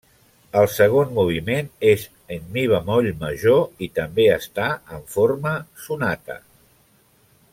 El segon moviment és en mi bemoll major, i també està en forma sonata.